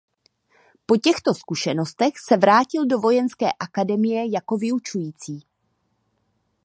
Po těchto zkušenostech se vrátil do Vojenské akademie jako vyučující.